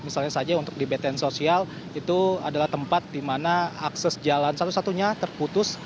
misalnya saja untuk di btn sosial itu adalah tempat di mana akses jalan satu satunya terputus